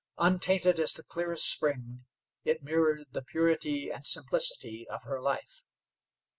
Untainted as the clearest spring, it mirrored the purity and simplicity of her life.